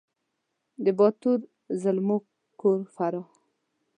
د باتور زلمو کور فراه